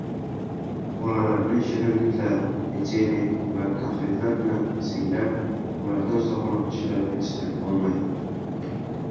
Bolalarni shirinliklar, pechene va konfetlar bilan siylab, ulardan sog‘lom kishilar yetishtirib bo‘lmaydi.